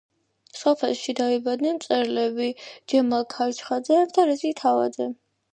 სოფელში დაიბადნენ მწერლები ჯემალ ქარჩხაძე და რეზი თვარაძე.